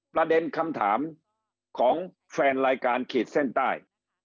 ประเด็นคำถามของแฟนรายการขีดเส้นใต้